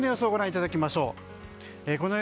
ご覧いただきましょう。